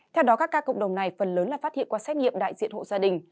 theo đó các ca cộng đồng này phần lớn là phát hiện qua xét nghiệm đại diện hộ gia đình